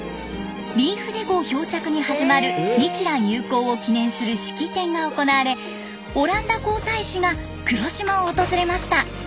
リーフデ号漂着に始まる日蘭友好を記念する式典が行われオランダ皇太子が黒島を訪れました。